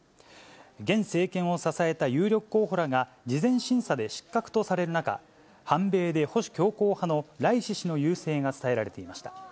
現政権を支えた有力候補らが事前審査で失格とされる中、反米で保守強硬派のライシ師の優勢が伝えられていました。